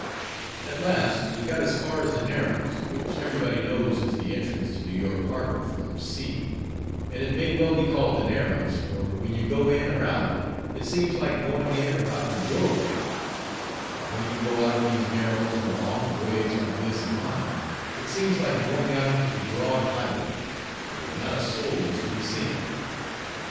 At last we got as far as the Narrows, which every body knows is the entrance to New York Harbor from sea; and it may well be called the Narrows, for when you go in or out, it seems like going in or out of a doorway; and when you go out of these Narrows on a long voyage like this of mine, it seems like going out into the broad highway, where not a soul is to be seen.